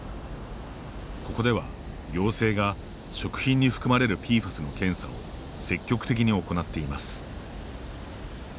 ここでは行政が食品に含まれるＰＦＡＳの検査を積極的に行っています。